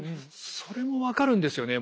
それも分かるんですよね